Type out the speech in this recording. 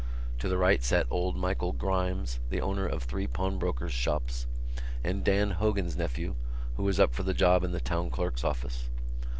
To the right sat old Michael Grimes, the owner of three pawnbroker's shops, and Dan Hogan's nephew, who was up for the job in the Town Clerk's office.